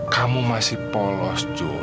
kamu masih polos jul